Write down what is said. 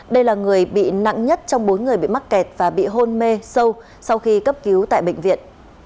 đây là người bị nặng nhất trong bốn người bị mắc kẹt và bị hôn mê sâu sau khi cấp cứu tại bệnh viện